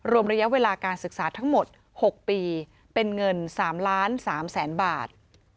ระยะเวลาการศึกษาทั้งหมด๖ปีเป็นเงิน๓๓๐๐๐๐บาท